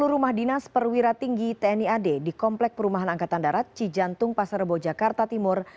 sepuluh rumah dinas perwira tinggi tni ad di komplek perumahan angkatan darat cijantung pasar rebo jakarta timur